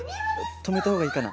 止めた方がいいかな？